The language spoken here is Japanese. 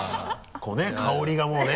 こうね香りがもうね。